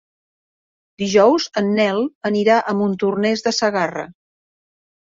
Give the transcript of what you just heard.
Dijous en Nel anirà a Montornès de Segarra.